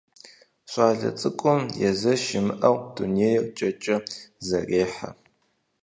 ЩӀалэ цӀыкӀум езэш имыӀэу дунейр кӀэкӀэ зэрехьэ.